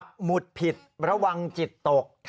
หมุดผิดระวังจิตตก